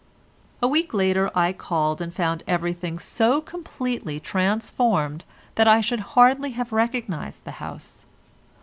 A week later I called and found everything so completely transformed that I should hardly have recognised the house.